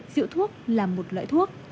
rượu thuốc là một loại thuốc